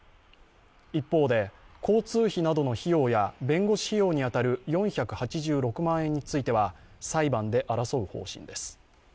一方で、交通費などの費用や弁護士費用に当たる４８６については裁判で争う方針です。